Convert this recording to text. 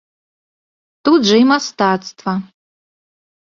Тут жа і мастацтва.